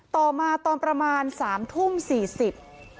ต่อมาตอนประมาณสามทุ่มสี่สิบ